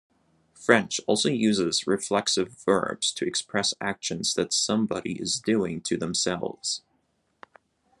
French also uses reflexive verbs to express actions that somebody is doing to themselves.